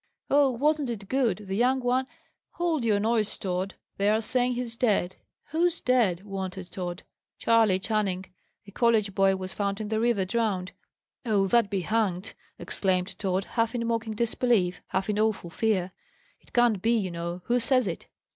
"Oh, wasn't it good! The young one " "Hold your noise, Tod! They are saying he's dead." "Who's dead?" wondered Tod. "Charley Channing. A college boy was found in the river, drowned." "Oh, that be hanged!" exclaimed Tod, half in mocking disbelief, half in awful fear. "It can't be, you know. Who says it?"